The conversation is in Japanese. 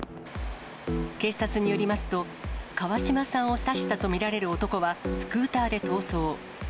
警察によりますと、川島さんを刺したと見られる男はスクーターで逃走。